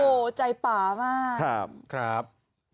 โอ้โฮใจป่ามากครับครับ